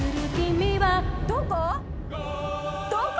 どこ？